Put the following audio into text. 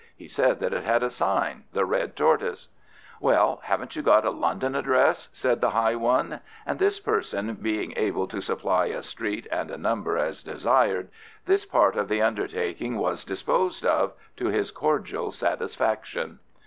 "He said that it had a sign the Red Tortoise." "Well, haven't you got a London address?" said the high one, and this person being able to supply a street and a number as desired, this part of the undertaking was disposed of, to his cordial satisfaction.